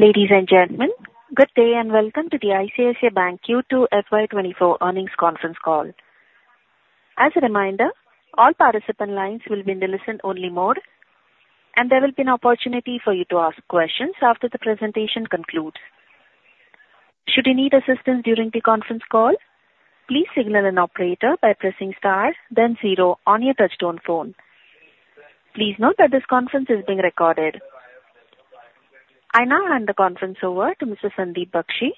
Ladies and gentlemen, good day, and welcome to the ICICI Bank Q2 FY 2024 earnings conference call. As a reminder, all participant lines will be in the listen-only mode, and there will be an opportunity for you to ask questions after the presentation concludes. Should you need assistance during the conference call, please signal an operator by pressing star, then zero on your touchtone phone. Please note that this conference is being recorded. I now hand the conference over to Mr. Sandeep Bakhshi,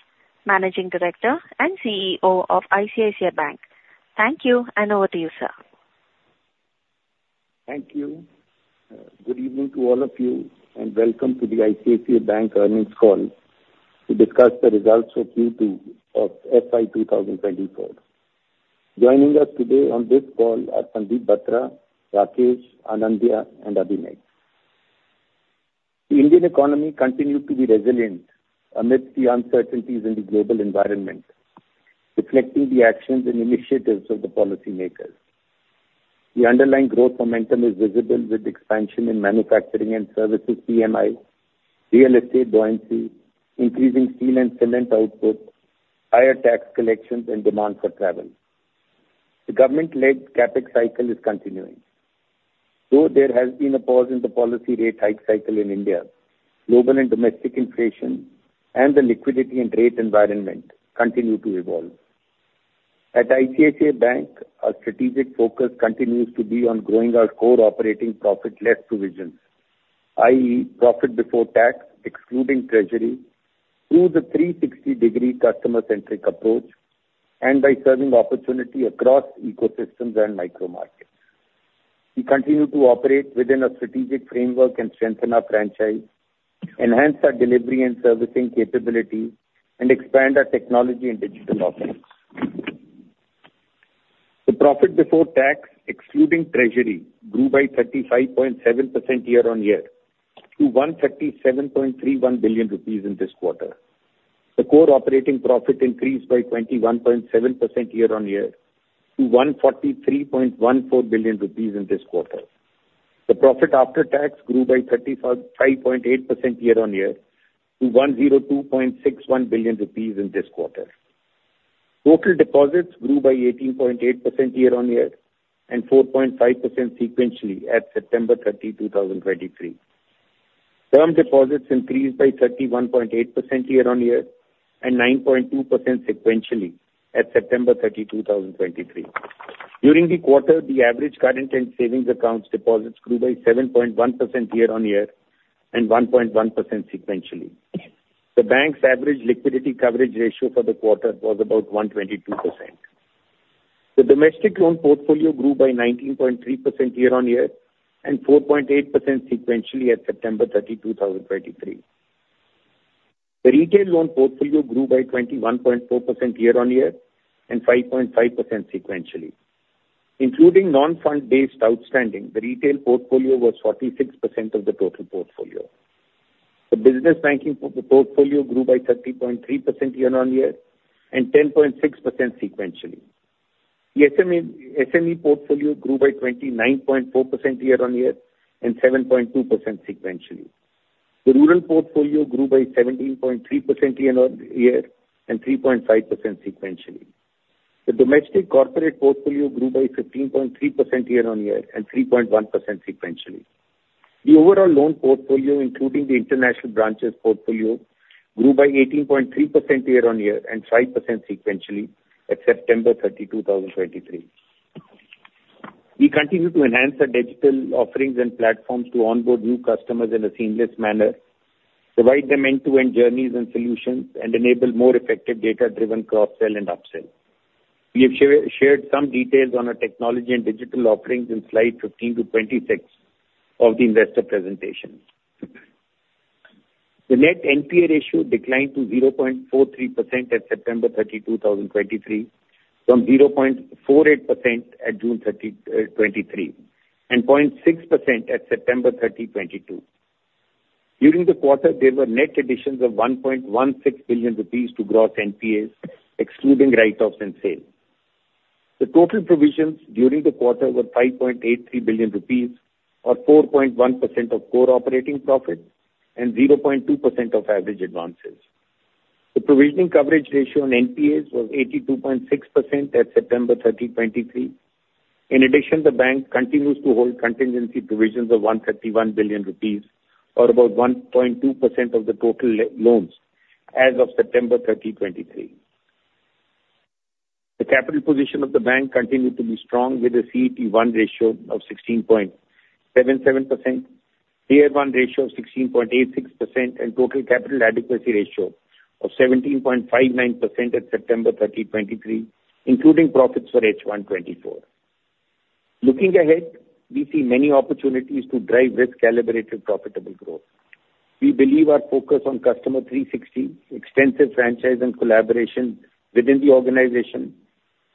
Managing Director and CEO of ICICI Bank. Thank you, and over to you, sir. Thank you. Good evening to all of you, and welcome to the ICICI Bank earnings call to discuss the results for Q2 of FY 2024. Joining us today on this call are Sandeep Batra, Rakesh, Anindya, and Abhinek. The Indian economy continued to be resilient amidst the uncertainties in the global environment, reflecting the actions and initiatives of the policymakers. The underlying growth momentum is visible with expansion in manufacturing and services PMI, real estate buoyancy, increasing steel and cement output, higher tax collections, and demand for travel. The government-led CapEx cycle is continuing. Though there has been a pause in the policy rate hike cycle in India, global and domestic inflation and the liquidity and rate environment continue to evolve. At ICICI Bank, our strategic focus continues to be on growing our core operating profit less provisions, i.e., profit before tax, excluding treasury, through the 360-degree customer-centric approach and by serving opportunity across ecosystems and micromarkets. We continue to operate within a strategic framework and strengthen our franchise, enhance our delivery and servicing capability, and expand our technology and digital offerings. The profit before tax, excluding treasury, grew by 35.7% year-on-year to 137.31 billion rupees in this quarter. The core operating profit increased by 21.7% year-on-year to 143.14 billion rupees in this quarter. The profit after tax grew by 35.8% year-on-year to 102.61 billion rupees in this quarter. Total deposits grew by 18.8% year-over-year and 4.5% sequentially at September 30, 2023. Term deposits increased by 31.8% year-over-year and 9.2% sequentially at September 30, 2023. During the quarter, the average current and savings accounts deposits grew by 7.1% year-over-year and 1.1% sequentially. The bank's average liquidity coverage ratio for the quarter was about 122%. The domestic loan portfolio grew by 19.3% year-over-year and 4.8% sequentially at September 30, 2023. The retail loan portfolio grew by 21.4% year-over-year and 5.5% sequentially. Including non-fund based outstanding, the retail portfolio was 46% of the total portfolio. The business banking portfolio grew by 30.3% year-on-year and 10.6% sequentially. The SME portfolio grew by 29.4% year-on-year and 7.2% sequentially. The rural portfolio grew by 17.3% year-on-year and 3.5% sequentially. The domestic corporate portfolio grew by 15.3% year-on-year and 3.1% sequentially. The overall loan portfolio, including the international branches portfolio, grew by 18.3% year-on-year and 5% sequentially at September 30, 2023. We continue to enhance our digital offerings and platforms to onboard new customers in a seamless manner, provide them end-to-end journeys and solutions, and enable more effective data-driven cross-sell and up-sell. We have shared some details on our technology and digital offerings in slide 15 to 26 of the investor presentation. The net NPA ratio declined to 0.43% at September 30, 2023, from 0.48% at June 30, 2023, and 0.6% at September 30, 2022. During the quarter, there were net additions of 1.16 billion rupees to gross NPAs, excluding write-offs and sales. The total provisions during the quarter were 5.83 billion rupees, or 4.1% of core operating profit and 0.2% of average advances. The provisioning coverage ratio on NPAs was 82.6% at September 30, 2023. In addition, the bank continues to hold contingency provisions of 131 billion rupees, or about 1.2% of the total loans as of September 30, 2023. The capital position of the bank continued to be strong, with a CET1 ratio of 16.77%, Tier 1 ratio of 16.86%, and total capital adequacy ratio of 17.59% at September 30, 2023, including profits for H1 2024. Looking ahead, we see many opportunities to drive risk-calibrated, profitable growth. We believe our focus on Customer 360, extensive franchise and collaboration within the organization,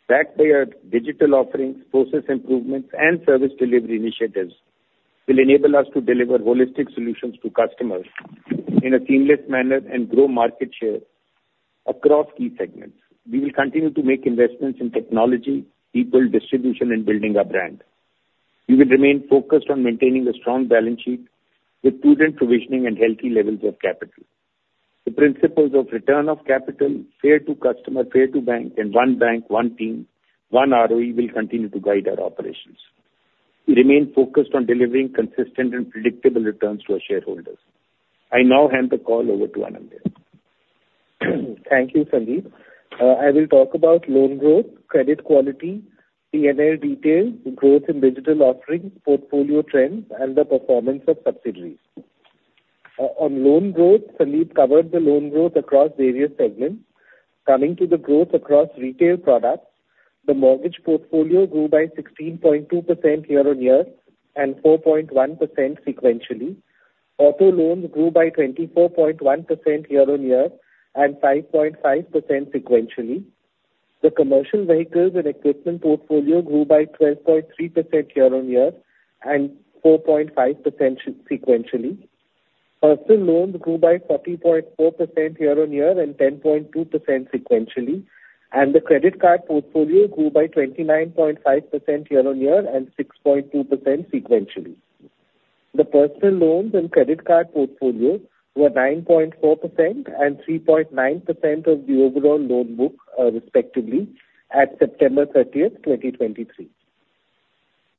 backed by our digital offerings, process improvements, and service delivery initiatives, will enable us to deliver holistic solutions to customers in a seamless manner and grow market share across key segments. We will continue to make investments in technology, people, distribution, and building our brand.... We will remain focused on maintaining a strong balance sheet with prudent provisioning and healthy levels of capital. The principles of return of capital, fair to customer, fair to bank, and one bank, one team, one ROE, will continue to guide our operations. We remain focused on delivering consistent and predictable returns to our shareholders. I now hand the call over to Anindya. Thank you, Sandeep. I will talk about loan growth, credit quality, PNL details, growth in digital offerings, portfolio trends, and the performance of subsidiaries. On loan growth, Sandeep covered the loan growth across various segments. Coming to the growth across retail products, the mortgage portfolio grew by 16.2% year-on-year and 4.1% sequentially. Auto loans grew by 24.1% year-on-year and 5.5% sequentially. The commercial vehicles and equipment portfolio grew by 12.3% year-on-year and 4.5% sequentially. Personal loans grew by 30.4% year-on-year and 10.2% sequentially, and the credit card portfolio grew by 29.5% year-on-year and 6.2% sequentially. The personal loans and credit card portfolio were 9.4% and 3.9% of the overall loan book, respectively, at September 30, 2023.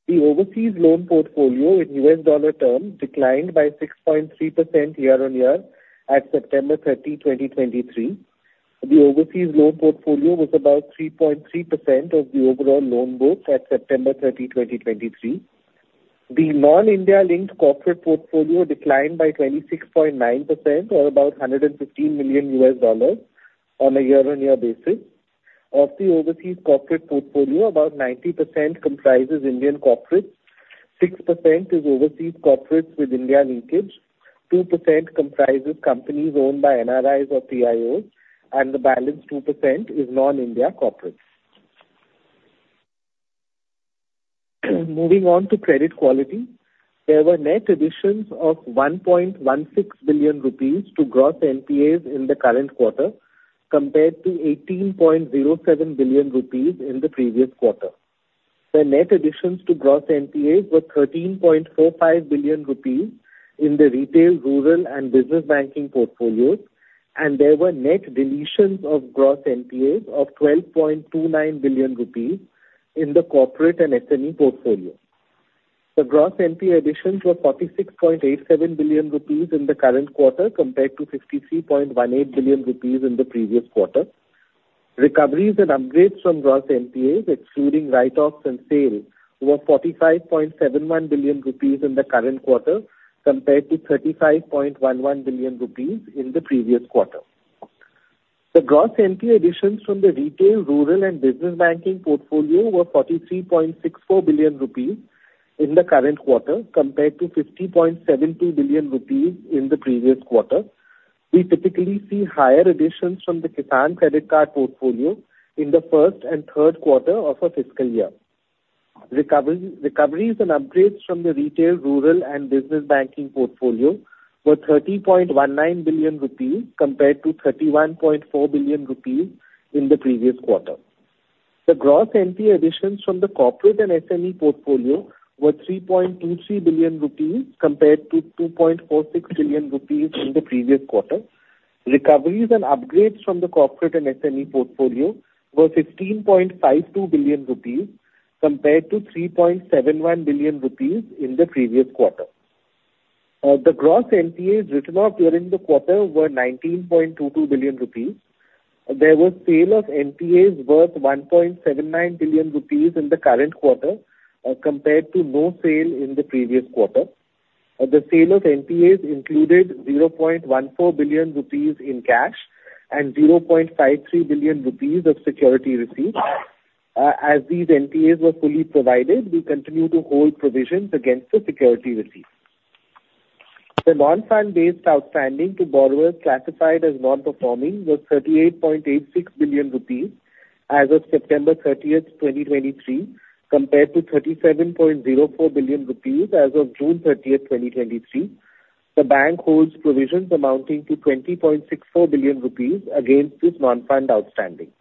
The overseas loan portfolio in U.S. dollar terms declined by 6.3% year-over-year at September 30, 2023. The overseas loan portfolio was about 3.3% of the overall loan book at September 30, 2023. The non-India linked corporate portfolio declined by 26.9% or about $115 million on a year-over-year basis. Of the overseas corporate portfolio, about 90% comprises Indian corporates, 6% is overseas corporates with India linkage, 2% comprises companies owned by NRIs or PIOs, and the balance 2% is non-India corporates. Moving on to credit quality, there were net additions of 1.16 billion rupees to gross NPAs in the current quarter, compared to 18.07 billion rupees in the previous quarter. The net additions to gross NPAs were 13.45 billion rupees in the retail, rural, and business banking portfolios, and there were net deletions of gross NPAs of 12.29 billion rupees in the corporate and SME portfolio. The gross NPA additions were 46.87 billion rupees in the current quarter, compared to 53.18 billion rupees in the previous quarter. Recoveries and upgrades from gross NPAs, excluding write-offs and sales, were 45.71 billion rupees in the current quarter, compared to 35.11 billion rupees in the previous quarter. The gross NPA additions from the retail, rural, and business banking portfolio were 43.64 billion rupees in the current quarter, compared to 50.72 billion rupees in the previous quarter. We typically see higher additions from the Kisan Credit Card portfolio in the first and third quarter of a fiscal year. Recoveries and upgrades from the retail, rural, and business banking portfolio were 30.19 billion rupees, compared to 31.4 billion rupees in the previous quarter. The gross NPA additions from the corporate and SME portfolio were 3.23 billion rupees, compared to 2.46 billion rupees in the previous quarter. Recoveries and upgrades from the corporate and SME portfolio were 15.52 billion rupees, compared to 3.71 billion rupees in the previous quarter. The gross NPAs written off during the quarter were 19.22 billion rupees. There was sale of NPAs worth 1.79 billion rupees in the current quarter, compared to no sale in the previous quarter. The sale of NPAs included 0.14 billion rupees in cash and 0.53 billion rupees of security receipts. As these NPAs were fully provided, we continue to hold provisions against the security receipts. The non-fund based outstanding to borrowers classified as non-performing was 38.86 billion rupees as of September thirtieth, twenty twenty-three, compared to 37.04 billion rupees as of June thirtieth, twenty twenty-three. The bank holds provisions amounting to 20.64 billion rupees against this non-fund outstanding.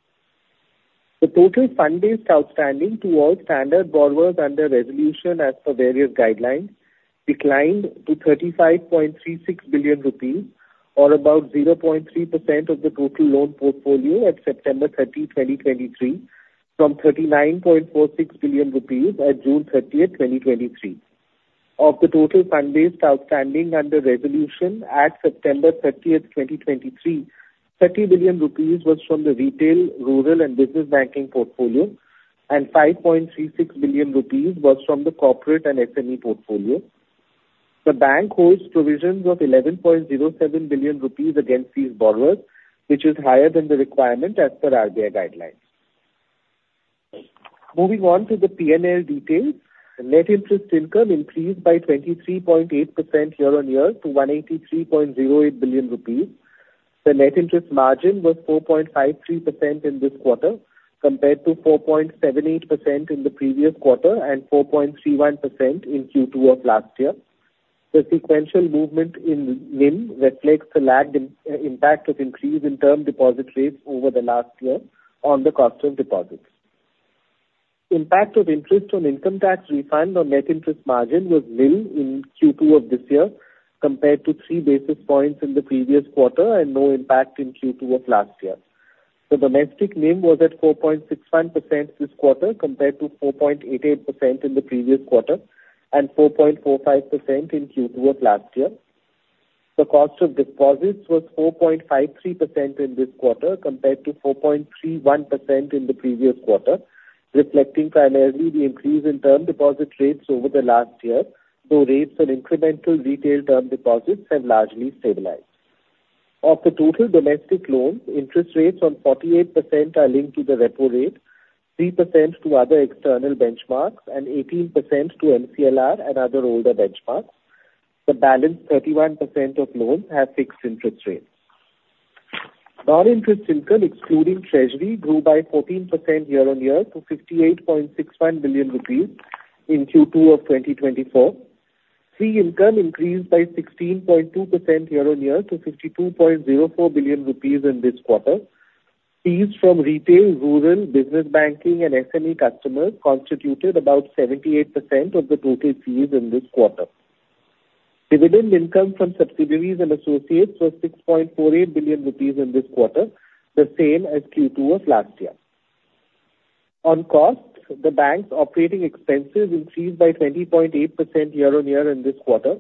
The total fund-based outstanding towards standard borrowers under resolution as per various guidelines, declined to 35.36 billion rupees, or about 0.3% of the total loan portfolio at September 30, 2023, from 39.46 billion rupees at June 30, 2023. Of the total fund-based outstanding under resolution at September 30, 2023, 30 billion rupees was from the retail, rural, and business banking portfolio, and 5.36 billion rupees was from the corporate and SME portfolio. The bank holds provisions of 11.07 billion rupees against these borrowers, which is higher than the requirement as per RBI guidelines. Moving on to the PNL details. Net interest income increased by 23.8% year-on-year to 183.08 billion rupees. The net interest margin was 4.53% in this quarter, compared to 4.78% in the previous quarter and 4.31% in Q2 of last year. The sequential movement in NIM reflects the lagged impact of increase in term deposit rates over the last year on the cost of deposits. Impact of interest on income tax refund on net interest margin was NIM in Q2 of this year, compared to three basis points in the previous quarter and no impact in Q2 of last year. The domestic NIM was at 4.61% this quarter, compared to 4.88% in the previous quarter and 4.45% in Q2 of last year. The cost of deposits was 4.53% in this quarter, compared to 4.31% in the previous quarter, reflecting primarily the increase in term deposit rates over the last year, though rates on incremental retail term deposits have largely stabilized. Of the total domestic loans, interest rates on 48% are linked to the repo rate, 3% to other external benchmarks, and 18% to MCLR and other older benchmarks. The balance 31% of loans have fixed interest rates. Non-interest income, excluding treasury, grew by 14% year-on-year to 58.61 billion rupees in Q2 of 2024. Fee income increased by 16.2% year-on-year to 52.04 billion rupees in this quarter. Fees from retail, rural, business banking, and SME customers constituted about 78% of the total fees in this quarter. Dividend income from subsidiaries and associates was 6.48 billion rupees in this quarter, the same as Q2 of last year. On cost, the bank's operating expenses increased by 20.8% year-on-year in this quarter.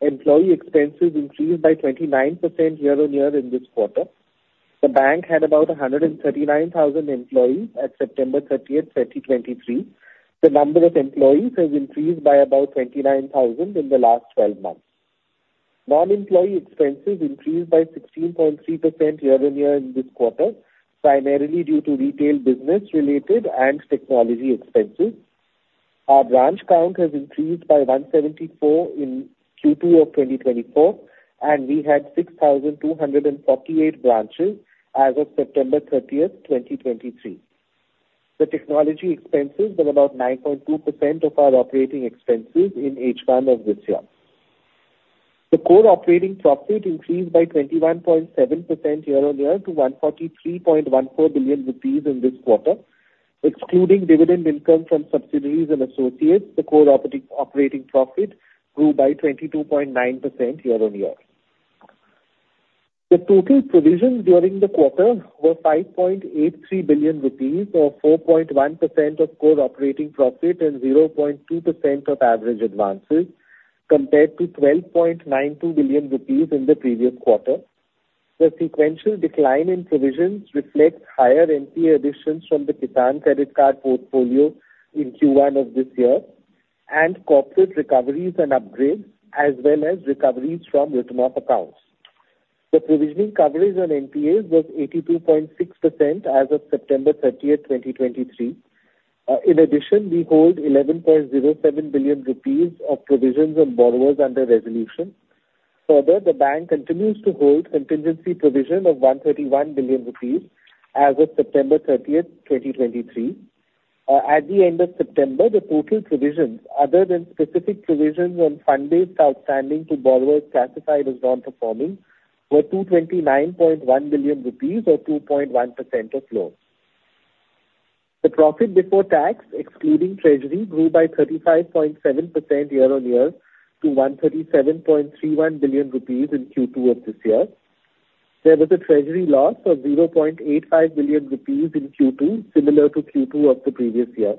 Employee expenses increased by 29% year-on-year in this quarter. The bank had about 139,000 employees at September 30, 2023. The number of employees has increased by about 29,000 in the last twelve months. Non-employee expenses increased by 16.3% year-on-year in this quarter, primarily due to retail business related and technology expenses. Our branch count has increased by 174 in Q2 of 2024, and we had 6,248 branches as of September 30, 2023. The technology expenses were about 9.2% of our operating expenses in H1 of this year. The core operating profit increased by 21.7% year-on-year to 143.14 billion rupees in this quarter. Excluding dividend income from subsidiaries and associates, the core operating profit grew by 22.9% year-on-year. The total provision during the quarter was 5.83 billion rupees, or 4.1% of core operating profit and 0.2% of average advances, compared to 12.92 billion rupees in the previous quarter. The sequential decline in provisions reflects higher NPA additions from the Kisan Credit Card portfolio in Q1 of this year, and corporate recoveries and upgrades, as well as recoveries from written-off accounts. The provisioning coverage on NPAs was 82.6% as of September 30, 2023. In addition, we hold 11.07 billion rupees of provisions on borrowers under resolution. Further, the bank continues to hold contingency provision of 131 billion rupees as of September 30, 2023. At the end of September, the total provisions, other than specific provisions on fund-based outstanding to borrowers classified as non-performing, were 229.1 billion rupees or 2.1% of loans. The profit before tax, excluding treasury, grew by 35.7% year-on-year to 137.31 billion rupees in Q2 of this year. There was a treasury loss of 0.85 billion rupees in Q2, similar to Q2 of the previous year.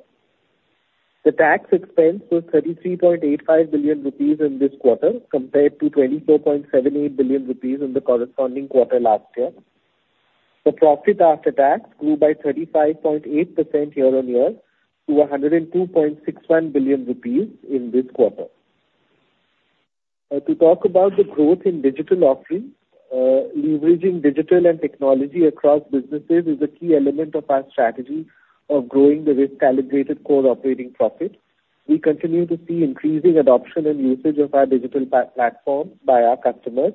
The tax expense was 33.85 billion rupees in this quarter, compared to 24.78 billion rupees in the corresponding quarter last year. The profit after tax grew by 35.8% year-on-year to 102.61 billion rupees in this quarter. To talk about the growth in digital offerings, leveraging digital and technology across businesses is a key element of our strategy of growing the risk-calibrated core operating profit. We continue to see increasing adoption and usage of our digital platforms by our customers.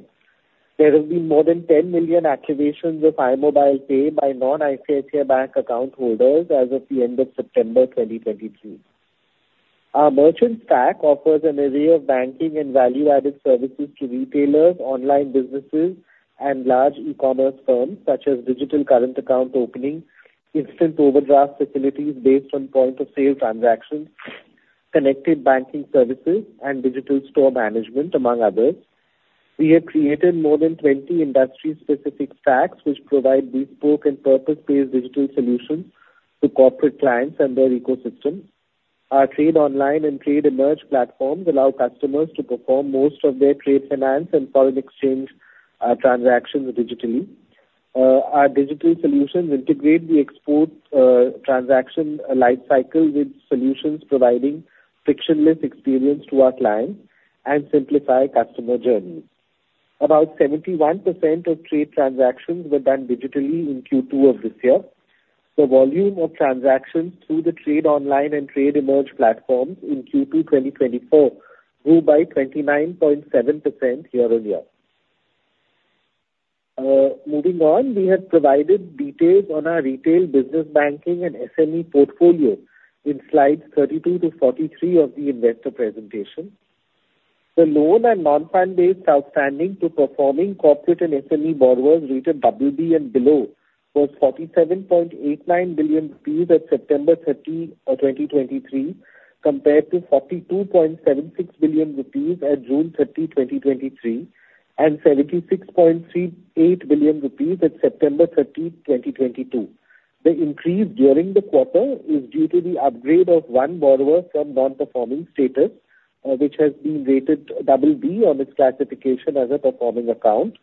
There have been more than 10 million activations of iMobile Pay by non-ICICI Bank account holders as of the end of September 2023. Our Merchant Stack offers an array of banking and value-added services to retailers, online businesses, and large e-commerce firms, such as digital current account opening, instant overdraft facilities based on point-of-sale transactions, connected banking services, and digital store management, among others. We have created more than 20 industry-specific stacks, which provide bespoke and purpose-built digital solutions to corporate clients and their ecosystem. Our TradeOnline and TradeEmerge platforms allow customers to perform most of their trade finance and foreign exchange transactions digitally. Our digital solutions integrate the export transaction life cycle with solutions providing frictionless experience to our clients and simplify customer journey. About 71% of trade transactions were done digitally in Q2 of this year. The volume of transactions through the TradeOnline and TradeEmerge platforms in Q2 2024 grew by 29.7% year-on-year. Moving on, we have provided details on our retail business banking and SME portfolio in slides 32 to 43 of the investor presentation. The loan and non-fund-based outstanding to performing corporate and SME borrowers rated BB and below was 47.89 billion rupees at September 13, 2023, compared to 42.76 billion rupees at June 30, 2023, and 76.38 billion rupees at September 30, 2022. The increase during the quarter is due to the upgrade of one borrower from non-performing status, which has been rated double D on its classification as a performing account.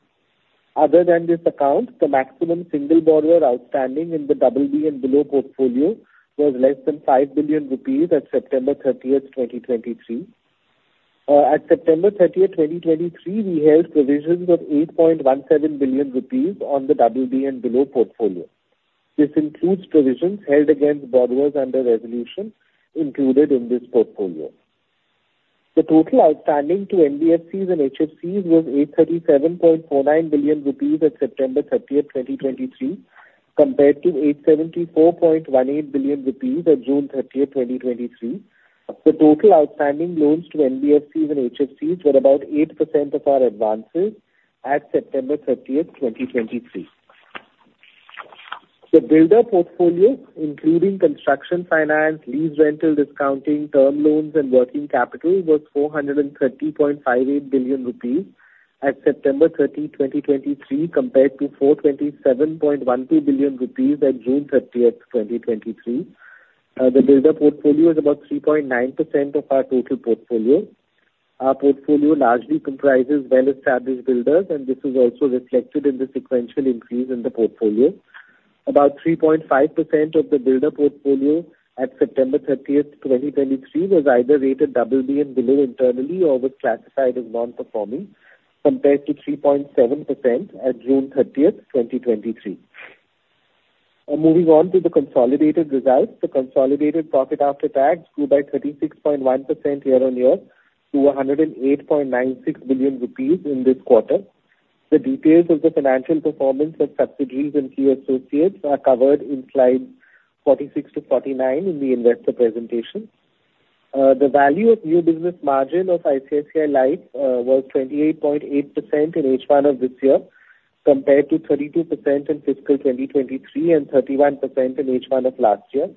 Other than this account, the maximum single borrower outstanding in the double D and below portfolio was less than 5 billion rupees at September 30, 2023. At September 30, 2023, we held provisions of 8.17 billion rupees on the double D and below portfolio. This includes provisions held against borrowers under resolution included in this portfolio. The total outstanding to NBFCs and HFCs was 837.49 billion rupees at September 30, 2023, compared to 874.18 billion rupees at June 30, 2023. The total outstanding loans to NBFCs and HFCs were about 8% of our advances at September 30, 2023. The builder portfolio, including construction, finance, lease, rental, discounting, term loans and working capital, was 430.58 billion rupees at September 30, 2023, compared to 427.12 billion rupees at June 30, 2023. The builder portfolio is about 3.9% of our total portfolio. Our portfolio largely comprises well-established builders, and this is also reflected in the sequential increase in the portfolio. About 3.5% of the builder portfolio at September 30, 2023, was either rated double D and below internally, or was classified as non-performing, compared to 3.7% at June 30, 2023. Moving on to the consolidated results. The consolidated profit after tax grew by 36.1% year-on-year to 108.96 billion rupees in this quarter. The details of the financial performance of subsidiaries and key associates are covered in slide 46-49 in the investor presentation. The value of new business margin of ICICI Life was 28.8% in H1 of this year, compared to 32% in fiscal 2023, and 31% in H1 of last year.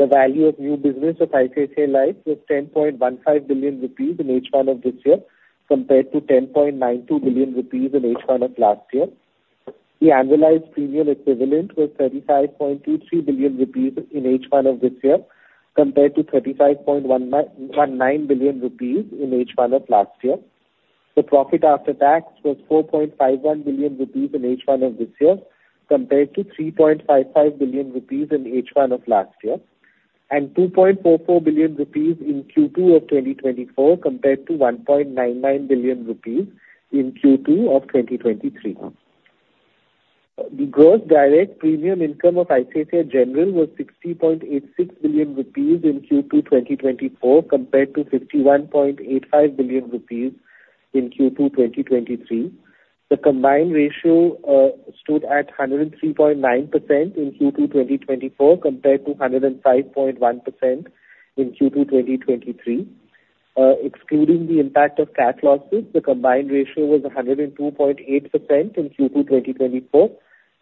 The value of new business of ICICI Life was 10.15 billion rupees in H1 of this year, compared to 10.92 billion rupees in H1 of last year. The annualized premium equivalent was 35.23 billion rupees in H1 of this year, compared to 35.19 billion rupees in H1 of last year. The profit after tax was 4.51 billion rupees in H1 of this year, compared to 3.55 billion rupees in H1 of last year, and 2.44 billion rupees in Q2 of 2024, compared to 1.99 billion rupees in Q2 of 2023. The gross direct premium income of ICICI General was 60.86 billion rupees in Q2 2024, compared to 51.85 billion rupees in Q2 2023. The combined ratio stood at 103.9% in Q2 2024, compared to 105.1% in Q2 2023. Excluding the impact of cat losses, the combined ratio was 102.8% in Q2 2024,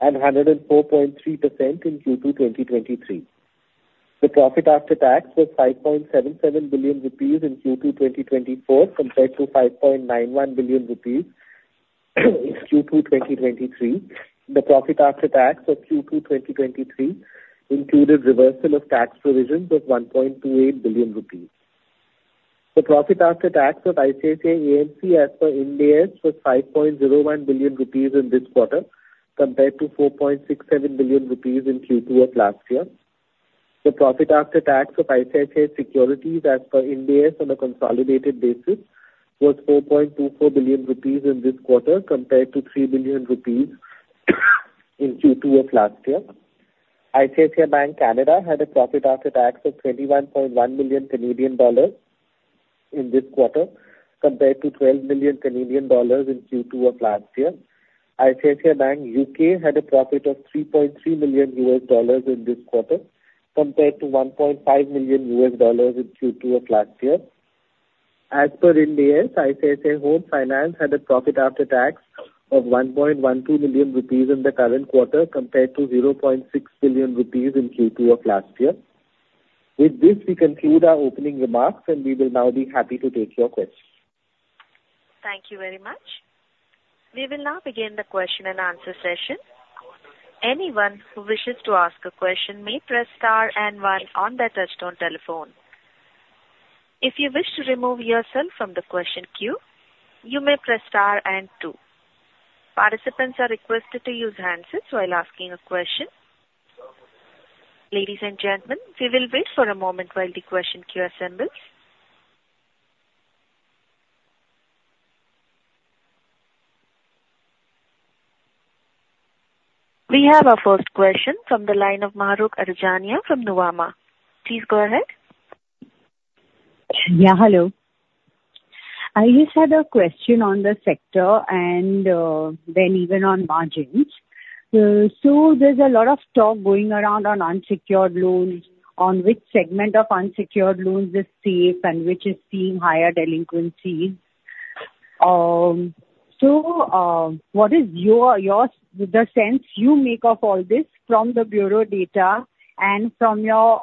and 104.3% in Q2 2023. The profit after tax was 5.77 billion rupees in Q2 2024, compared to 5.91 billion rupees in Q2 2023. The profit after tax for Q2 2023 included reversal of tax provisions of 1.28 billion rupees. The profit after tax of ICICI AMC, as per Ind AS, was 5.01 billion rupees in this quarter, compared to 4.67 billion rupees in Q2 of last year. The profit after tax of ICICI Securities as per Ind AS on a consolidated basis was 4.24 billion rupees in this quarter, compared to 3 billion rupees in Q2 of last year. ICICI Bank Canada had a profit after tax of 21.1 million Canadian dollars in this quarter, compared to 12 million Canadian dollars in Q2 of last year. ICICI Bank UK had a profit of $3.3 million in this quarter, compared to $1.5 million in Q2 of last year. As per Ind AS, ICICI Home Finance had a profit after tax of 1.12 billion rupees in the current quarter, compared to 0.6 billion rupees in Q2 of last year. With this, we conclude our opening remarks, and we will now be happy to take your questions. Thank you very much. We will now begin the question and answer session. Anyone who wishes to ask a question may press star and one on their touchtone telephone. If you wish to remove yourself from the question queue, you may press star and two. Participants are requested to use handsets while asking a question. Ladies and gentlemen, we will wait for a moment while the question queue assembles. We have our first question from the line of Mahrukh Adajania from Nuvama. Please go ahead.... Yeah, hello. I just had a question on the sector and, then even on margins. So there's a lot of talk going around on unsecured loans, on which segment of unsecured loans is safe and which is seeing higher delinquency. So, what is your, your, the sense you make of all this from the bureau data and from your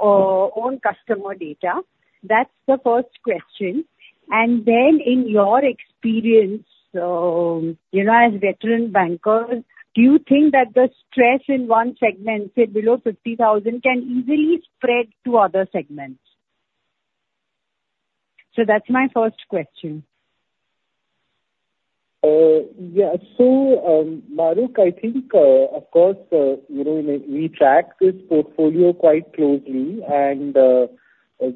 own customer data? That's the first question. And then in your experience, you know, as veteran banker, do you think that the stress in one segment, say below 50,000, can easily spread to other segments? So that's my first question. Yeah, so, Mahrukh, I think, of course, you know, we, we track this portfolio quite closely, and,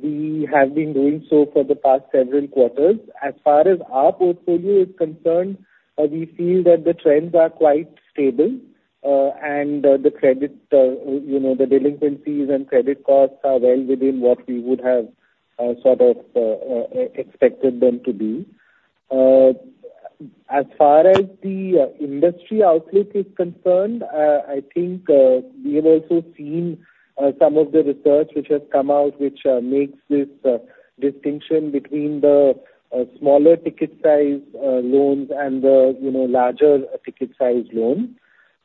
we have been doing so for the past several quarters. As far as our portfolio is concerned, we feel that the trends are quite stable, and, the credit, you know, the delinquencies and credit costs are well within what we would have, sort of, expected them to be. As far as the, industry outlook is concerned, I think, we have also seen, some of the research which has come out, which, makes this, distinction between the, smaller ticket size, loans and the, you know, larger ticket size loans.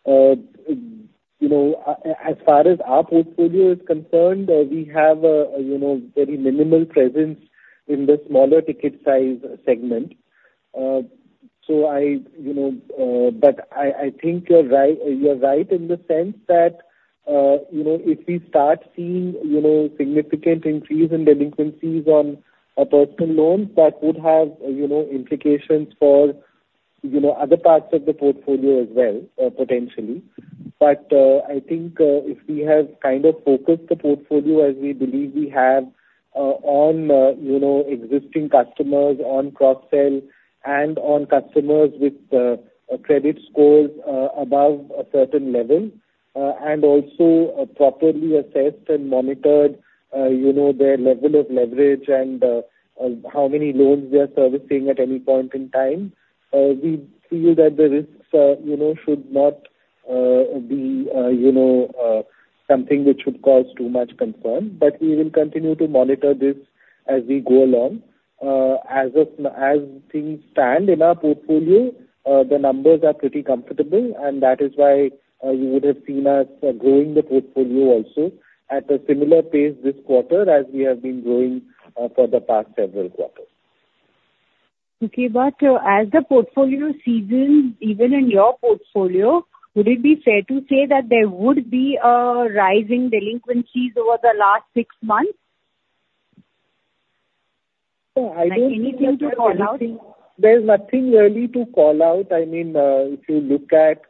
You know, as far as our portfolio is concerned, we have, you know, very minimal presence in the smaller ticket size segment. So I, you know, but I think you're right, you're right in the sense that, you know, if we start seeing, you know, significant increase in delinquencies on personal loans, that would have, you know, implications for, you know, other parts of the portfolio as well, potentially. But, I think, if we have kind of focused the portfolio as we believe we have, on, you know, existing customers, on cross-sell and on customers with, credit scores, above a certain level, and also, properly assessed and monitored, you know, their level of leverage and, how many loans they are servicing at any point in time, we feel that the risks, you know, should not, be, you know, something which should cause too much concern. But we will continue to monitor this as we go along. As of, as things stand in our portfolio, the numbers are pretty comfortable, and that is why, you would have seen us, growing the portfolio also at a similar pace this quarter, as we have been growing, for the past several quarters. Okay. But as the portfolio seasons, even in your portfolio, would it be fair to say that there would be rising delinquencies over the last six months? I don't think- Anything to call out? There's nothing really to call out. I mean, if you look at,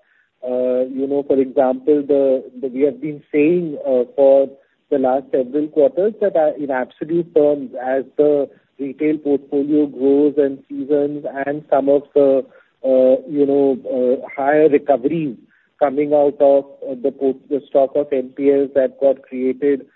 you know, for example, the, we have been saying, for the last several quarters, that, in absolute terms, as the retail portfolio grows and seasons and some of the, you know, higher recoveries coming out of, the stock of NPLs that got created,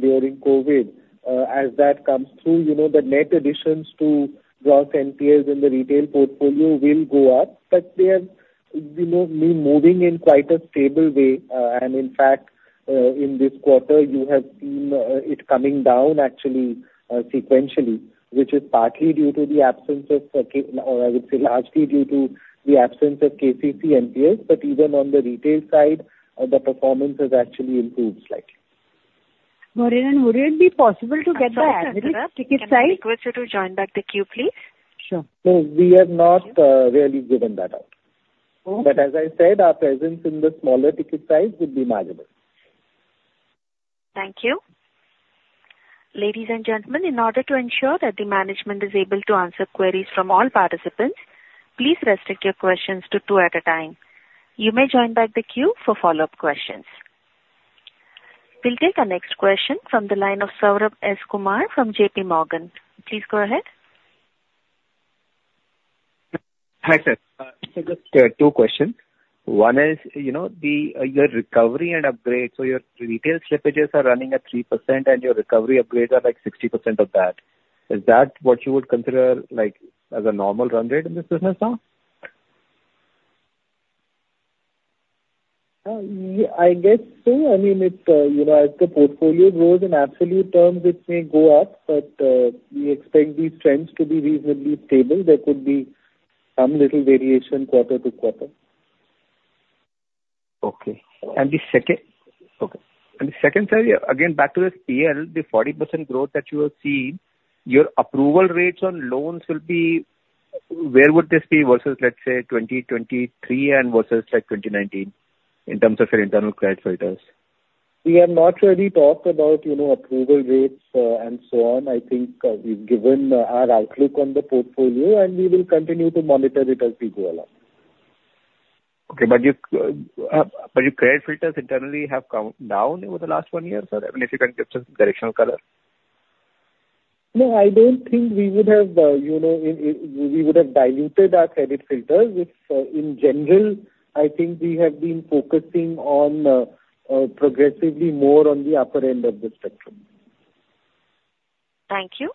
during COVID, as that comes through, you know, the net additions to gross NPLs in the retail portfolio will go up, but they have, you know, been moving in quite a stable way. And in fact, in this quarter, you have seen, it coming down actually, sequentially, which is partly due to the absence of, I would say, largely due to the absence of KCC NPLs. But even on the retail side, the performance has actually improved slightly. Would it be possible to get the average ticket size? Can I request you to join back the queue, please? Sure. So we have not really given that out. Okay. But as I said, our presence in the smaller ticket size would be marginal. Thank you. Ladies and gentlemen, in order to ensure that the management is able to answer queries from all participants, please restrict your questions to two at a time. You may join back the queue for follow-up questions. We'll take our next question from the line of Saurabh Kumar from JPMorgan. Please go ahead. Hi, sir. So just, two questions. One is, you know, the your recovery and upgrade. So your retail slippages are running at 3% and your recovery upgrades are, like, 60% of that. Is that what you would consider, like, as a normal run rate in this business now? I guess so. I mean, it, you know, as the portfolio grows in absolute terms, it may go up, but, we expect these trends to be reasonably stable. There could be some little variation quarter to quarter. Okay, and the second part, again, back to the PL, the 40% growth that you have seen, your approval rates on loans will be, where would this be versus, let's say, 2023 and versus, like, 2019, in terms of your internal credit filters? We have not really talked about, you know, approval rates, and so on. I think, we've given our outlook on the portfolio, and we will continue to monitor it as we go along. Okay, but your, but your credit filters internally have come down over the last one year or so? I mean, if you can give us some directional color. No, I don't think we would have, you know, we would have diluted our credit filters. Which, in general, I think we have been focusing on, progressively more on the upper end of the spectrum.... Thank you.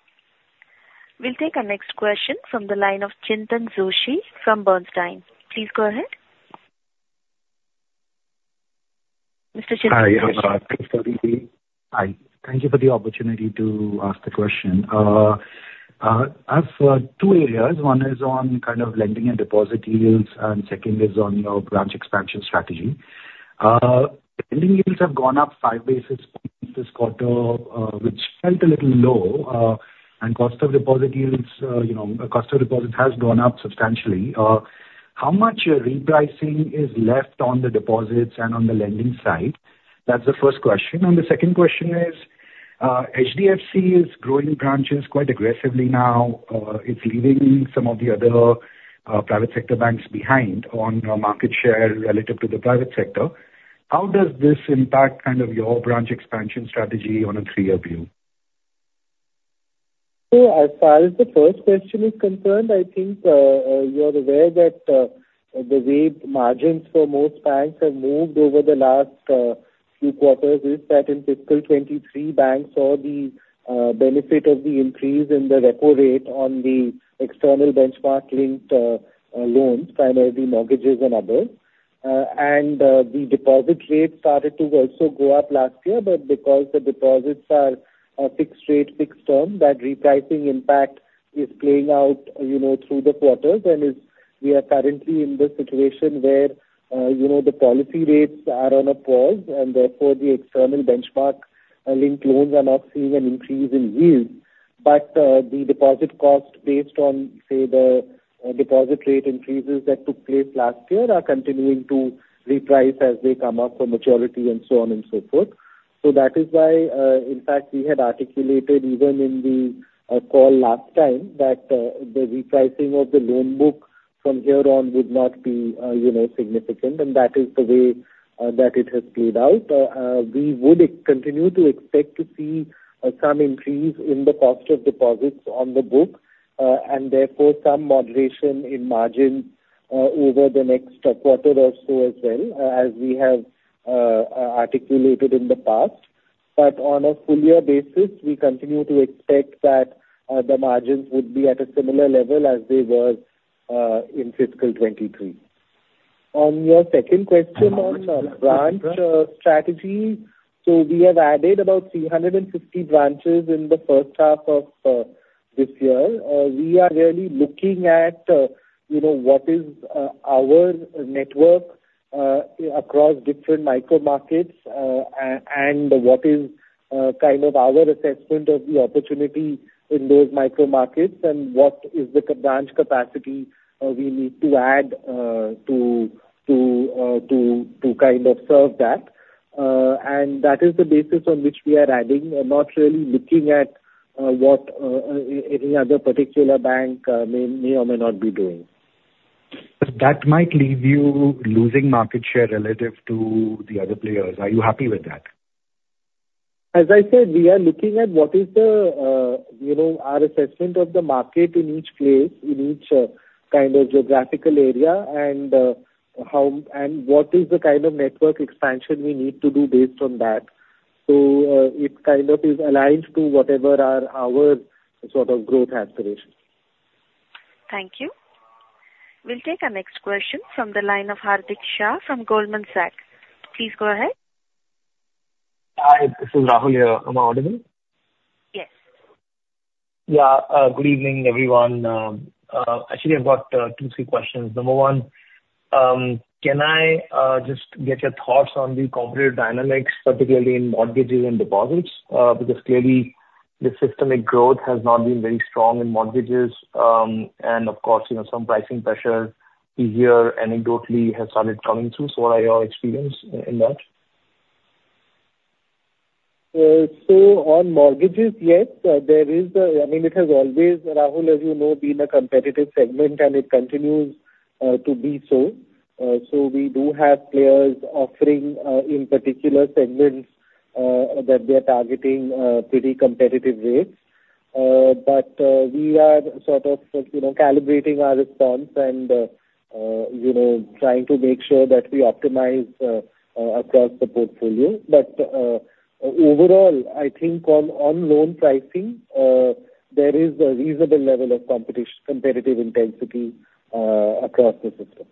We'll take our next question from the line of Chintan Joshi from Bernstein. Please go ahead. Mr. Chintan? Hi, thank you for the opportunity to ask the question. I've two areas. One is on kind of lending and deposit yields, and second is on your branch expansion strategy. Lending yields have gone up five basis points this quarter, which felt a little low, and cost of deposit yields, you know, cost of deposit has gone up substantially. How much repricing is left on the deposits and on the lending side? That's the first question. And the second question is, HDFC is growing branches quite aggressively now. It's leaving some of the other private sector banks behind on market share relative to the private sector. How does this impact kind of your branch expansion strategy on a three-year view? So as far as the first question is concerned, I think, you are aware that, the way margins for most banks have moved over the last, few quarters is that in fiscal 2023, banks saw the, benefit of the increase in the repo rate on the external benchmark-linked, loans, primarily mortgages and other. And, the deposit rates started to also go up last year, but because the deposits are, fixed rate, fixed term, that repricing impact is playing out, you know, through the quarters. And as we are currently in the situation where, you know, the policy rates are on a pause, and therefore, the external benchmark, linked loans are not seeing an increase in yields. But, the deposit cost, based on, say, the deposit rate increases that took place last year, are continuing to reprice as they come up for maturity and so on and so forth. So that is why, in fact, we had articulated even in the call last time, that the repricing of the loan book from here on would not be, you know, significant, and that is the way that it has played out. We would continue to expect to see some increase in the cost of deposits on the book, and therefore, some moderation in margins, over the next quarter or so as well, as we have articulated in the past. But on a full year basis, we continue to expect that the margins would be at a similar level as they were in fiscal 2023. On your second question on branch strategy, so we have added about 350 branches in the first half of this year. We are really looking at you know what is our network across different micro markets and what is kind of our assessment of the opportunity in those micro markets and what is the branch capacity we need to add to kind of serve that. And that is the basis on which we are adding. We're not really looking at what any other particular bank may or may not be doing. But that might leave you losing market share relative to the other players. Are you happy with that? As I said, we are looking at what is the, you know, our assessment of the market in each place, in each kind of geographical area, and what is the kind of network expansion we need to do based on that. So, it kind of is aligned to whatever are our sort of growth aspirations. Thank you. We'll take our next question from the line of Hardik Shah from Goldman Sachs. Please go ahead. Hi, this is Rahul here. Am I audible? Yes. Yeah, good evening, everyone. Actually, I've got two, three questions. Number one, can I just get your thoughts on the competitive dynamics, particularly in mortgages and deposits? Because clearly the systemic growth has not been very strong in mortgages, and of course, you know, some pricing pressures we hear anecdotally have started coming through. So what are your experience in that? So on mortgages, yes, there is a... I mean, it has always, Rahul, as you know, been a competitive segment, and it continues to be so. So we do have players offering in particular segments that they are targeting pretty competitive rates. But we are sort of, you know, calibrating our response and, you know, trying to make sure that we optimize across the portfolio. But overall, I think on, on loan pricing there is a reasonable level of competition, competitive intensity across the system.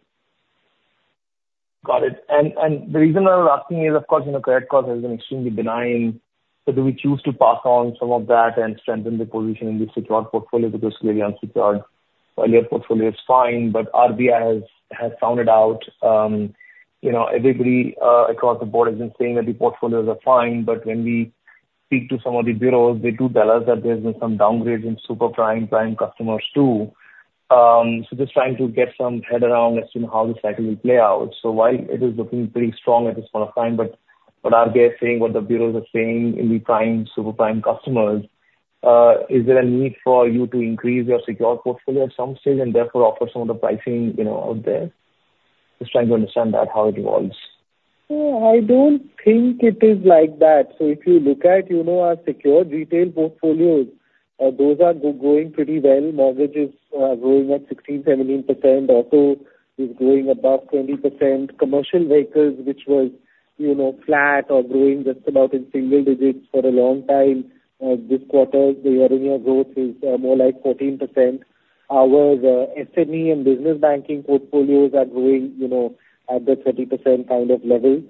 Got it. And the reason I was asking is, of course, you know, credit cost has been extremely benign. So do we choose to pass on some of that and strengthen the position in the secured portfolio? Because clearly unsecured, your portfolio is fine, but RBI has found it out. You know, everybody across the board has been saying that the portfolios are fine, but when we speak to some of the bureaus, they do tell us that there's been some downgrades in super prime, prime customers, too. So just trying to get some head around as to how this cycle will play out. While it is looking pretty strong at this point of time, but what are they saying, what the bureaus are saying in the prime, super prime customers, is there a need for you to increase your secured portfolio at some stage, and therefore offer some of the pricing, you know, out there? Just trying to understand that, how it evolves. So I don't think it is like that. So if you look at, you know, our secured retail portfolios, those are growing pretty well. Mortgages are growing at 16%-17%. Auto is growing above 20%. Commercial vehicles, which was, you know, flat or growing just about in single digits for a long time. This quarter, the year-on-year growth is more like 14%. Our SME and business banking portfolios are growing, you know, at the 30% kind of level.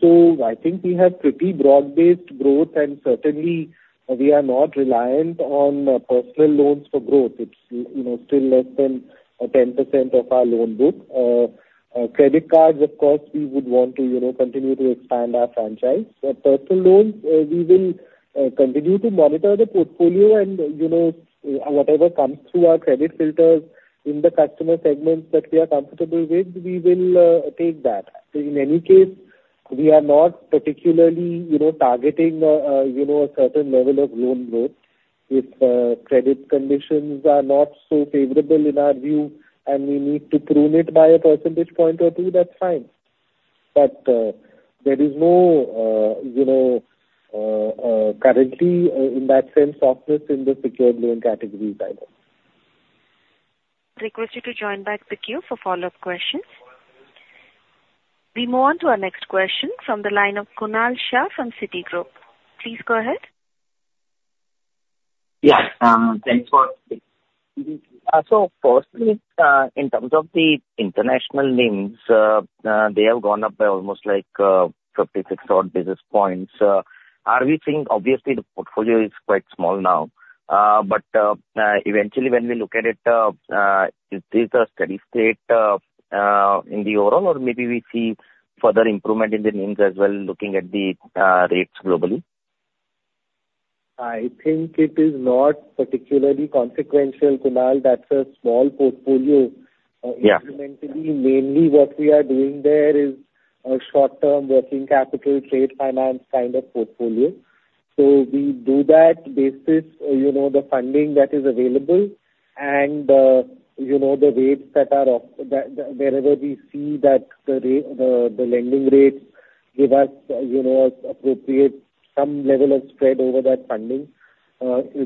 So I think we have pretty broad-based growth, and certainly we are not reliant on personal loans for growth. It's, you know, still less than 10% of our loan book. Credit cards, of course, we would want to, you know, continue to expand our franchise. But personal loans, we will continue to monitor the portfolio and, you know, whatever comes through our credit filters in the customer segments that we are comfortable with, we will take that. So in any case, we are not particularly, you know, targeting, you know, a certain level of loan growth. If credit conditions are not so favorable in our view, and we need to prune it by a percentage point or two, that's fine. But there is no, you know, currently, in that sense, softness in the secured loan categories either. Request you to join back the queue for follow-up questions. We move on to our next question from the line of Kunal Shah from Citigroup. Please go ahead. Yes, thanks for this. So firstly, in terms of the international NIMs, they have gone up by almost like 50, 60 odd basis points. Are we seeing obviously the portfolio is quite small now, but eventually when we look at it, is this a steady state in the overall? Or maybe we see further improvement in the NIMs as well, looking at the rates globally? I think it is not particularly consequential, Kunal. That's a small portfolio. Yeah. Incrementally, mainly what we are doing there is a short-term working capital, trade finance kind of portfolio. So we do that basis, you know, the funding that is available, and, you know, the rates that are that wherever we see that the lending rates give us, you know, appropriate some level of spread over that funding,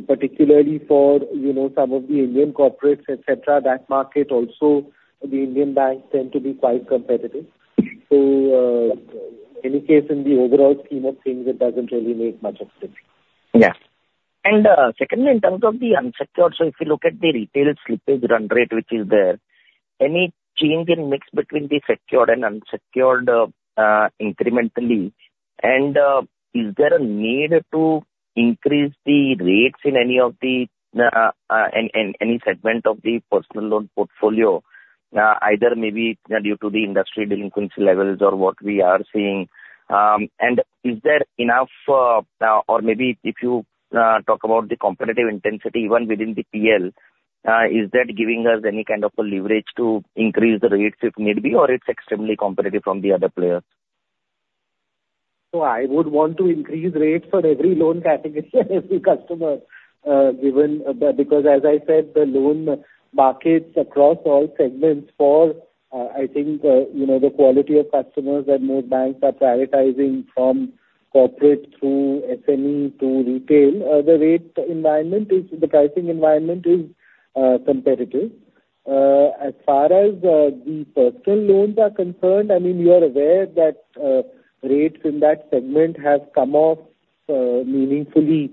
particularly for, you know, some of the Indian corporates, et cetera, that market also, the Indian banks tend to be quite competitive. So, any case in the overall scheme of things, it doesn't really make much of sense. Yeah. And, secondly, in terms of the unsecured, so if you look at the retail slippage run rate, which is there, any change in mix between the secured and unsecured, incrementally? And, is there a need to increase the rates in any of the, in any segment of the personal loan portfolio? Either maybe due to the industry delinquency levels or what we are seeing. And is there enough, or maybe if you talk about the competitive intensity even within the PL, is that giving us any kind of a leverage to increase the rates if need be, or it's extremely competitive from the other players? So I would want to increase rates for every loan category and every customer, given, because as I said, the loan markets across all segments for, I think, you know, the quality of customers that most banks are prioritizing from corporate through SME to retail, the rate environment is, the pricing environment is, competitive. As far as, the personal loans are concerned, I mean, you are aware that, rates in the personal loans are concerned, I mean, you are aware that, rates in that segment have come off, meaningfully,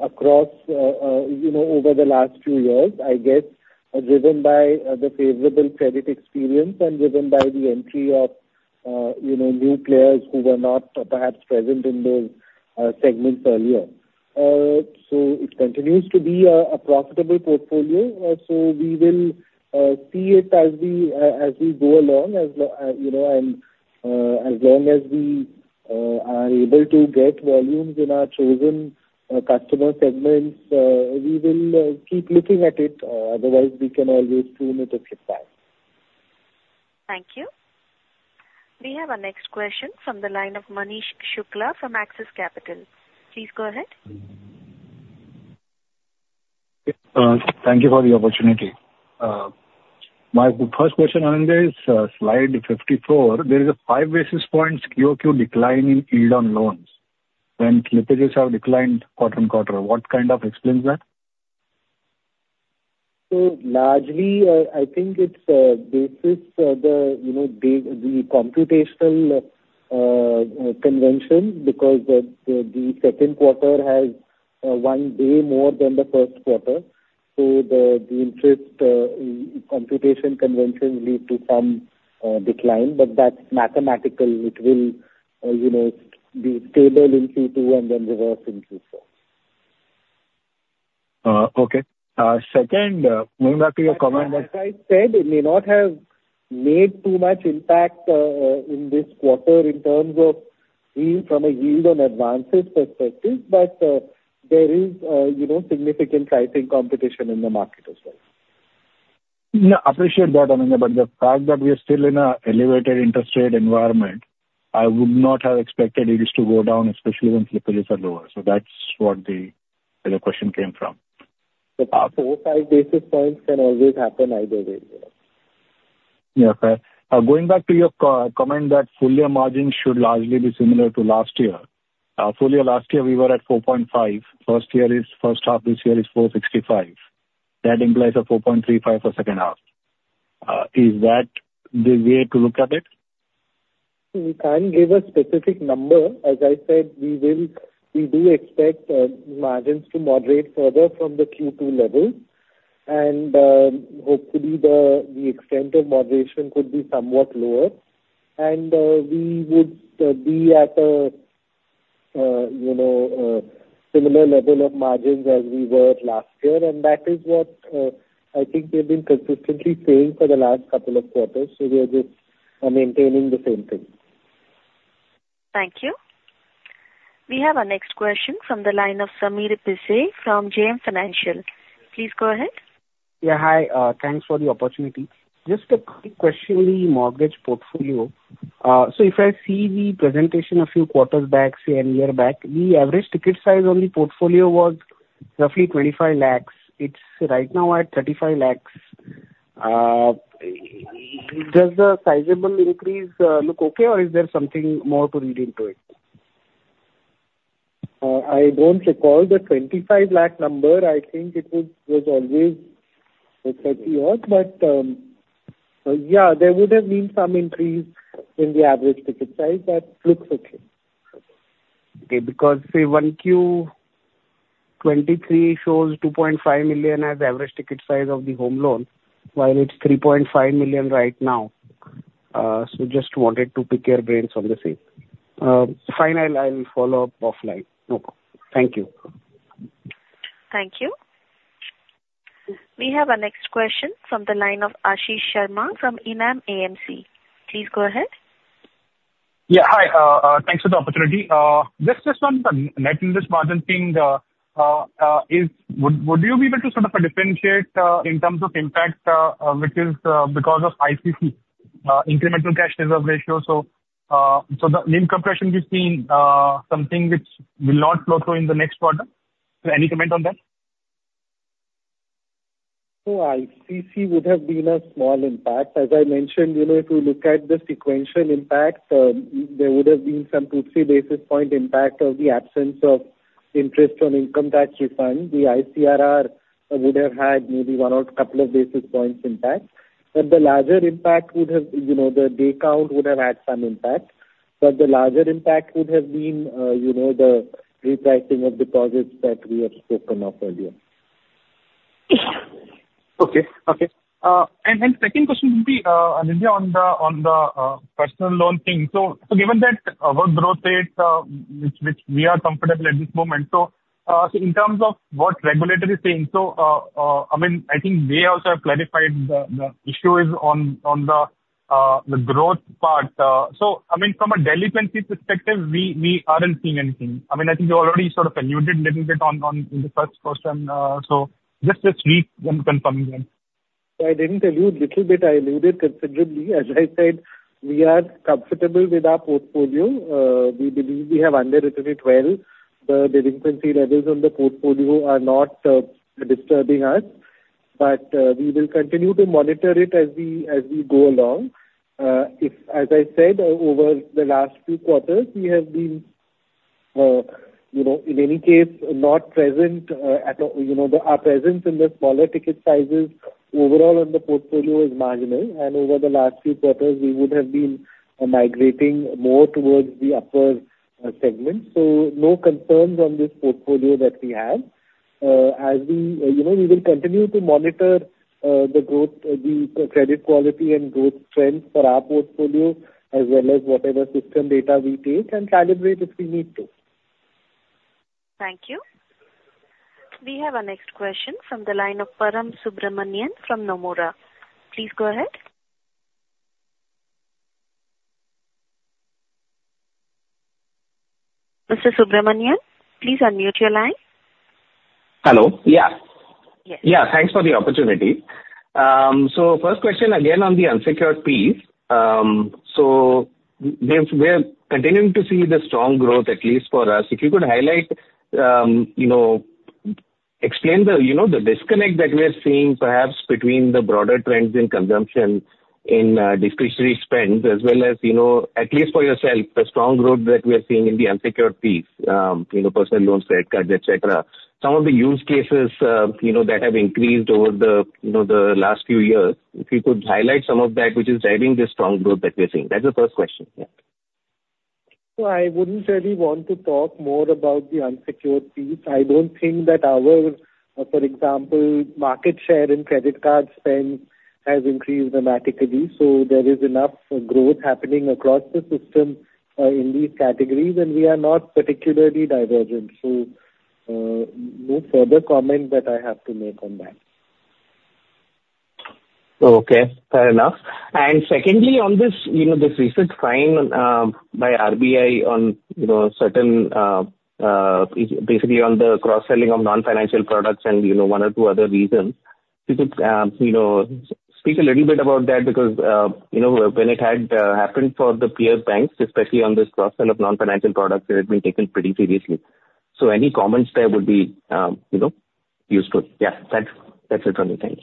across, you know, over the last few years, I guess, driven by, the favorable credit experience and driven by the entry of, you know, new players who were not perhaps present in those, segments earlier. So it continues to be a profitable portfolio. So we will see it as we go along, you know, as long as we are able to get volumes in our chosen customer segments, we will keep looking at it, otherwise, we can always prune it if it dies. Thank you. We have our next question from the line of Manish Shukla from Axis Capital. Please go ahead. Thank you for the opportunity. My first question, Anand, is slide 54. There is a 5 basis points QOQ decline in yield on loans when slippages have declined quarter-on-quarter. What kind of explains that? So largely, I think it's basis the you know the computational convention, because the second quarter has one day more than the first quarter, so the interest computation conventions lead to some decline, but that's mathematical. It will you know be stable in Q2 and then reverse in Q4. Okay. Second, going back to your comment that- As I said, it may not have made too much impact in this quarter in terms of yield, from a yield on advances perspective, but there is, you know, significant pricing competition in the market as well. Yeah, appreciate that, Anand, but the fact that we are still in an elevated interest rate environment, I would not have expected it is to go down, especially when slippages are lower. So that's what the question came from. 4-5 basis points can always happen either way, you know? Yeah, fair. Going back to your comment that full-year margin should largely be similar to last year. Full year last year, we were at 4.5. First half this year is 4.65. That implies a 4.35 for second half.... is that the way to look at it? We can't give a specific number. As I said, we do expect margins to moderate further from the Q2 level, and hopefully the extent of moderation could be somewhat lower and we would be at a you know a similar level of margins as we were last year. And that is what I think we've been consistently saying for the last couple of quarters, so we are just maintaining the same thing. Thank you. We have our next question from the line of Sameer Bhise from JM Financial. Please go ahead. Yeah, hi. Thanks for the opportunity. Just a quick question, the mortgage portfolio. So if I see the presentation a few quarters back, say a year back, the average ticket size on the portfolio was roughly 25 lakhs. It's right now at 35 lakhs. Does the sizable increase look okay, or is there something more to read into it? I don't recall the 25 lakh number. I think it was always with 30 odd, but yeah, there would have been some increase in the average ticket size. That looks okay. Okay. Because, say, 1Q23 shows 2.5 million as average ticket size of the home loan, while it's 3.5 million right now. So just wanted to pick your brains on the same. Fine, I'll follow up offline. Okay. Thank you. Thank you. We have our next question from the line of Ashish Sharma from Enam AMC. Please go ahead. Yeah, hi. Thanks for the opportunity. Just one on net interest margin thing, would you be able to sort of differentiate in terms of impact, which is because of ICRR incremental cash reserve ratio? So, the NIM compression we've seen, something which will not flow through in the next quarter. So any comment on that? ICICI would have been a small impact. As I mentioned, you know, if you look at the sequential impact, there would have been some 2-3 basis points impact of the absence of interest on income tax refund. The ICRR would have had maybe one or a couple of basis points impact, but the larger impact would have, you know, the, the CRR would have had some impact, but the larger impact would have been, you know, the repricing of deposits that we have spoken of earlier. Okay. And second question would be, Anindya, on the personal loan thing. So given that work growth rate which we are comfortable at this moment, so in terms of what regulator is saying, so I mean, I think they also have clarified the issue is on the growth part. So I mean, from a delinquency perspective, we aren't seeing anything. I mean, I think you already sort of alluded little bit on in the first question. So just re-confirming that. I didn't allude little bit, I alluded considerably. As I said, we are comfortable with our portfolio. We believe we have underwritten it well. The delinquency levels on the portfolio are not disturbing us, but we will continue to monitor it as we go along. If, as I said, over the last few quarters, we have been, you know, in any case, not present, you know. Our presence in the smaller ticket sizes overall on the portfolio is marginal, and over the last few quarters, we would have been migrating more towards the upper segment. So no concerns on this portfolio that we have. As we, you know, we will continue to monitor the growth, the credit quality and growth trends for our portfolio, as well as whatever system data we take, and calibrate if we need to. Thank you. We have our next question from the line of Param Subramanian from Nomura. Please go ahead. Mr. Subramaniam, please unmute your line. Hello. Yeah. Yes. Yeah, thanks for the opportunity. First question, again, on the unsecured piece. We're continuing to see the strong growth, at least for us. If you could highlight, you know, explain the, you know, the disconnect that we're seeing perhaps between the broader trends in consumption, in discretionary spend, as well as, you know, at least for yourself, the strong growth that we are seeing in the unsecured piece, you know, personal loans, credit cards, et cetera. Some of the use cases, you know, that have increased over the, you know, the last few years. If you could highlight some of that, which is driving the strong growth that we're seeing. That's the first question, yeah. So I wouldn't really want to talk more about the unsecured piece. I don't think that our, for example, market share in credit card spend has increased dramatically, so there is enough growth happening across the system, in these categories, and we are not particularly divergent. So, no further comment that I have to make on that. Okay, fair enough. And secondly, on this, you know, this recent fine by RBI on, you know, certain, basically on the cross-selling of non-financial products and, you know, one or two other reasons. If you could, you know, speak a little bit about that, because, you know, when it had happened for the peer banks, especially on this cross-sell of non-financial products, it had been taken pretty seriously. So any comments there would be, you know, useful. Yeah, that's, that's it from me. Thanks.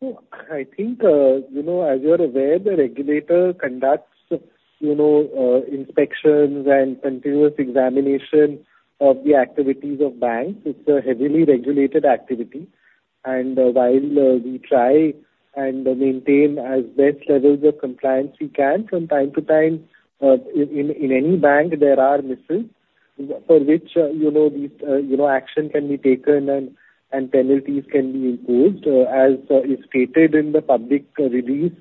So I think, you know, as you're aware, the regulator conducts, you know, inspections and continuous examination of the activities of banks. It's a heavily regulated activity, and while we try and maintain as best levels of compliance we can, from time to time, in any bank, there are misses for which, you know, these, you know, action can be taken and penalties can be imposed, as is stated in the public release.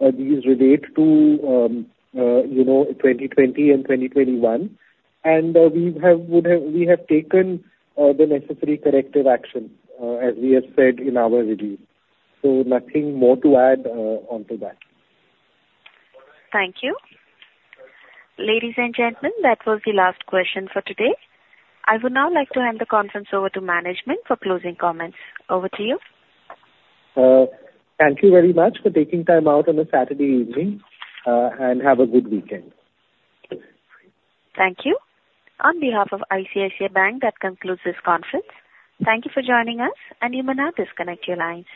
These relate to, you know, 2020 and 2021, and we have taken the necessary corrective action, as we have said in our review. So nothing more to add onto that. Thank you. Ladies and gentlemen, that was the last question for today. I would now like to hand the conference over to management for closing comments. Over to you. Thank you very much for taking time out on a Saturday evening, and have a good weekend. Thank you. On behalf of ICICI Bank, that concludes this conference. Thank you for joining us, and you may now disconnect your lines.